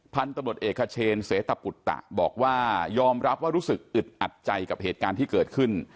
พันธุ์ตำรวจเอกเชนเสตปุตตะบอกว่ายอมรับว่ารู้สึกอึดอัดใจกับเหตุการณ์ที่เกิดขึ้น